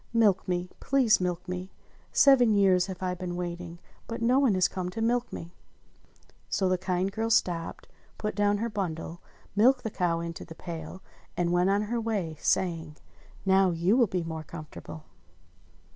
Milk me! Please milk me! Seven years have I been waiting, but no one has come to milk me !" So the kind girl stopped, put down her bundle, milked the cow into the pail, and went on her way, saying : "Now you will be more comfortable."